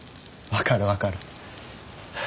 分かる分かる。